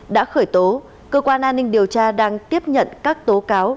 đã khởi tố cơ quan an ninh điều tra đang tiếp nhận các tố cáo